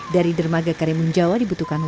dari dermaga karimun jawa dibutuhkan